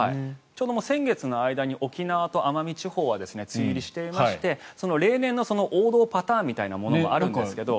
ちょうど先月の間に沖縄と奄美地方は梅雨入りしていましてその例年の王道パターンみたいなものもあるんですけど。